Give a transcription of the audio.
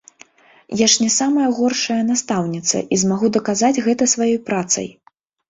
Я ж не самая горшая настаўніца і змагу даказаць гэта сваёй працай.